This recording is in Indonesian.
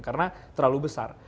karena terlalu besar